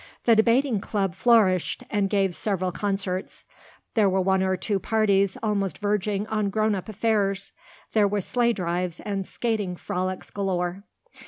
The Debating Club flourished and gave several concerts; there were one or two parties almost verging on grown up affairs; there were sleigh drives and skating frolics galore.